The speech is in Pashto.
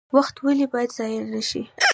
وخت ولې باید ضایع نشي؟